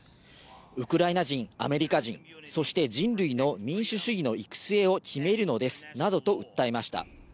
ウクライナ人、アメリカ人、そして人類の民主主義の行く末を決めるのですなどと訴えました。